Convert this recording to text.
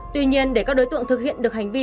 tuy nhiên để các đối tượng thực hiện được hành vi